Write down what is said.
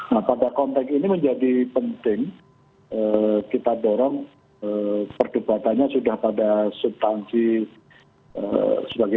nah pada konteks ini menjadi penting kita dorong perdebatannya sudah pada subtansi sebagai